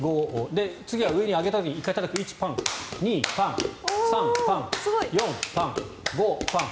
で、次は上に上げた時に１回高く１、パン、２、パン３、パン４、パン、５、パン。